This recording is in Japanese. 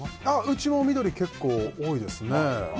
うちも緑、結構多いですね。